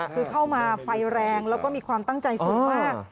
คือเข้ามาไฟแรงแล้วก็มีความตั้งใจสูงมาก